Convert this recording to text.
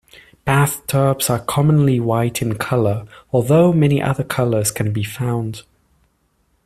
Bathtubs are commonly white in colour although many other colours can be found.